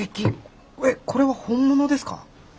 えっこれは本物ですか？